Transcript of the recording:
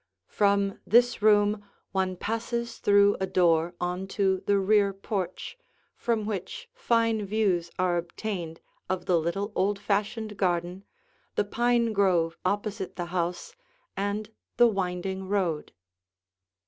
From this room one passes through a door on to the rear porch, from which fine views are obtained of the little, old fashioned garden, the pine grove opposite the house, and the winding road.